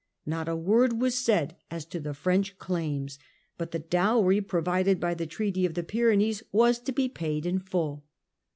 Not a word was said as to the French claims, but the dowry provided by the Treaty of the Pyrenees was to be paid in full.